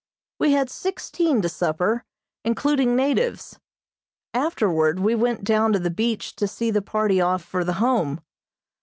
We had sixteen to supper, including natives. Afterward we went down to the beach to see the party off for the Home.